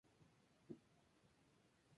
Frederick Lloyd fue designado director.